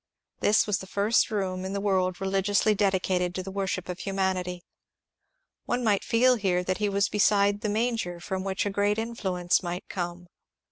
This was the first room in the world religiously dedicated to the worship of Humanity. One might feel here that he was beside the manger from which a great influence might come.